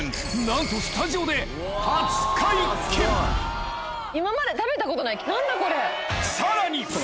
なんとスタジオでさらに！